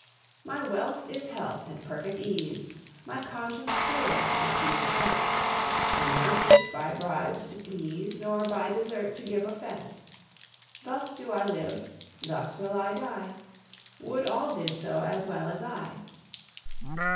My wealth is health and perfect ease; My conscience clear my chief defense; I never seek by bribes to please Nor by desert to give offense. Thus do I live, thus will I die; Would all did so as well as I!